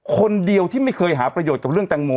คนเดียวที่ไม่เคยหาประโยชน์กับเรื่องแตงโม